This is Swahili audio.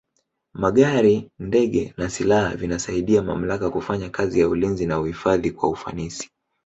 magari ndege na silaha vinasaidia mamlaka kufanya kazi ya ulinzi na uhifadhi kwa ufanisi